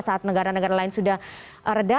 saat negara negara lain sudah reda